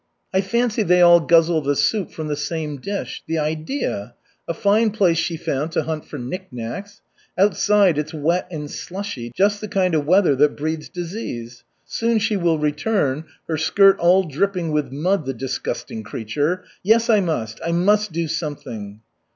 "I fancy they all guzzle the soup from the same dish. The idea! A fine place she found to hunt for knick knacks. Outside it's wet and slushy just the kind of weather that breeds disease. Soon she will return, her skirt all dripping with mud, the disgusting creature. Yes, I must, I must do something!"